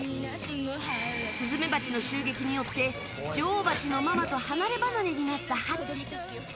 スズメバチの襲撃によって女王バチのママと離れ離れになったハッチ。